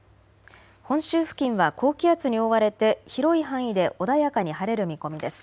本州付近は高気圧に覆われて広い範囲で穏やかに晴れる見込みです。